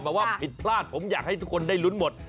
บอกว่าผิดพลาดผมอยากให้ทุกคนได้ลุ้นหมด